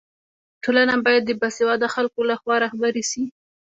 ټولنه باید د باسواده خلکو لخوا رهبري سي.